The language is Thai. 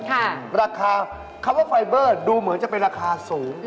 ราคาคำว่าไฟเบอร์ดูเหมือนจะเป็นราคาสูง